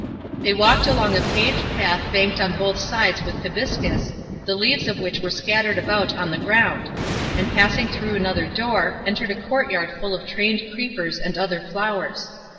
They walked along a paved path banked on both sides with hibiscus, the leaves of which were scattered about on the ground ; and passing through another door, entered a court yard full of trained creepers and other flowers.